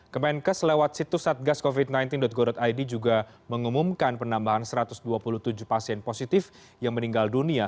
kemenkes lewat situs satgascovid sembilan belas go id juga mengumumkan penambahan satu ratus dua puluh tujuh pasien positif yang meninggal dunia